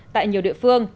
tại nhiều địa phương